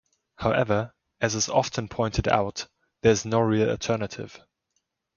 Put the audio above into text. However, as is often pointed out, there is no real alternative.